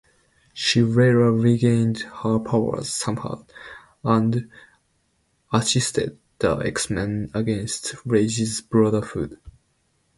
She later regained her powers somehow, and assisted the X-Men against Raze's Brotherhood.